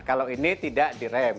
kalau ini tidak direm